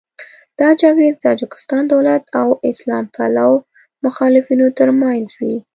دا جګړې د تاجکستان دولت او اسلام پلوه مخالفینو تر منځ وې.